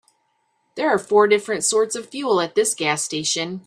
There are four different sorts of fuel at this gas station.